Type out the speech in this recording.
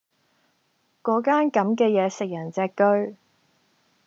果間咁嘅野食人隻車